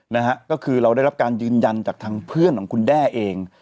นะฮะก็คือเราได้รับการยืนยันจากทางเพื่อนของคุณแด้เอง